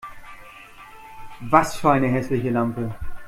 Was für eine hässliche Lampe!